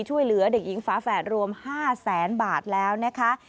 ช่วยเหลือเด็กหญิงฝาแฝดรวม๕แสนบาทแล้วนะคะ